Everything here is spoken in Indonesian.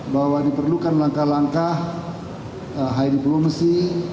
bahwa diperlukan langkah langkah high diplomacy